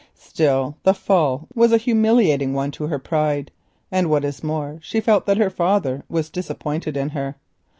Still the fall humiliated her pride, and what is more she felt that her father was disappointed in her.